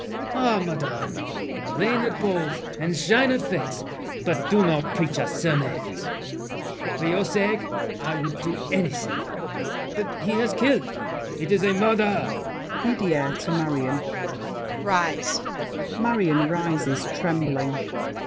Ah, madame, reign at balls and shine at fêtes, But do not preach us sermons. For your sake, I would do anything; but he has killed— It is a murder. DIDIER (to Marion). Rise! [Marion rises, trembling.